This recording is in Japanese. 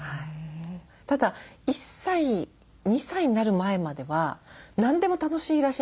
ただ１歳２歳になる前までは何でも楽しいらしいんですよ。